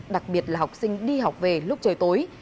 đặc biệt là học sinh đi học về lúc trời tối